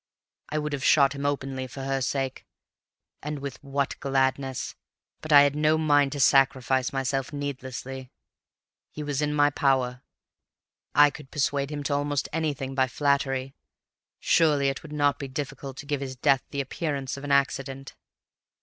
I would have shot him openly for her sake, and with what gladness, but I had no mind to sacrifice myself needlessly. He was in my power; I could persuade him to almost anything by flattery; surely it would not be difficult to give his death the appearance of an accident.